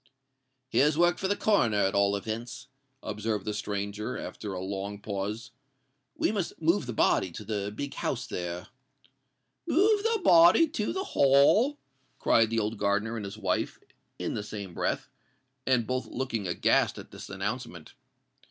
"Here's work for the Coroner, at all events," observed the stranger, after a long pause. "We must move the body to the big house there——" "Move the body to the Hall!" cried the old gardener and his wife, in the same breath, and both looking aghast at this announcement.